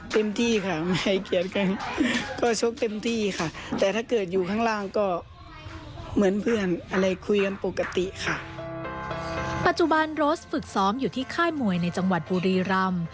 ปัจจุบันโรสฝึกซ้อมอยู่ที่ค่ายมวยในจังหวัดบุรีรำ